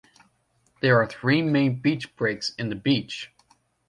There are three main beach breaks in the beach.